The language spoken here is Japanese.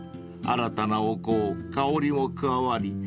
［新たなお香香も加わり